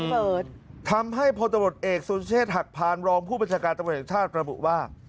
อืมเปิดทำให้พลตะบดเอกสูญเชษฐ์หักพานรองผู้บัญชาการตะวันแห่งชาติกระบุว่า